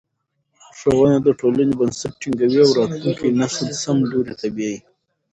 ښوونه د ټولنې بنسټ ټینګوي او راتلونکی نسل سم لوري ته بیايي.